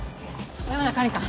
小山田管理官。